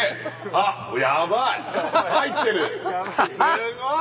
すごい！